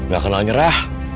gak kenal nyerah